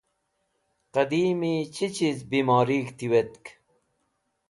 Qẽdimi chi chiz bimorig̃h tiwetk?